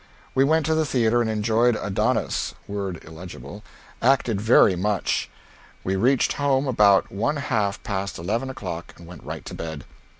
We went to the theatre and enjoyed "Adonis" [word illegible] acted very much. We reached home about 1/2 past eleven o'clock and went right to bed.